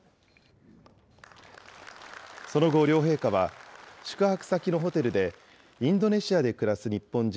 その後、両陛下は宿泊先のホテルで、インドネシアで暮らす日本人